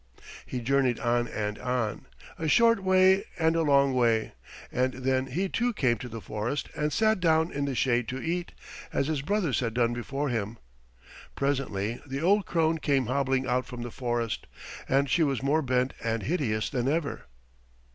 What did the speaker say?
He journeyed on and on, a short way and a long way, and then he too came to the forest and sat down in the shade to eat, as his brothers had done before him. Presently the old crone came hobbling out from the forest, and she was more bent and hideous than ever.